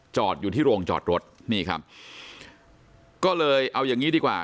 อยู่ที่โรงจอดรถนี่ครับก็เลยเอาอย่างงี้ดีกว่า